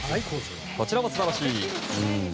こちらも素晴らしい。